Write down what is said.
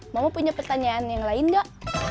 mama punya pertanyaan yang lain gak